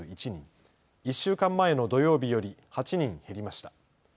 １週間前の土曜日より８人減りました。